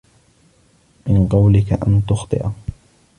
مِنْ قَوْلِك أَنْ تُخْطِئَ